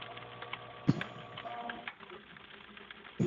母亲则有德国与爱尔兰血统